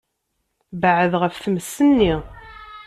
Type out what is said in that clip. Beɛɛed ɣef tmes-nni.